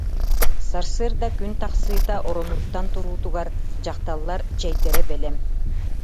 Сарсыарда күн тахсыыта, оронуттан туруутугар дьахталлар чэйдэрэ бэлэм